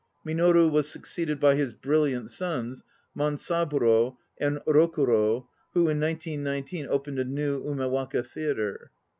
Minoru was succeeded by his brilliant sons, Mansaburo and Rokurd, who in 1919 opened a new Umewaka theatre.